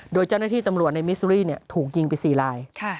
โดยเจ้าหน้าที่ตำรวจในมิซูรี่ถูกยิงไป๔ลาย